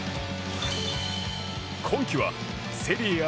今季はセリエＡ